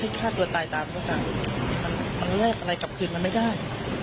ให้ฆ่าตัวตายตามต้องตามมันเรียกอะไรกลับคืนมันไม่ได้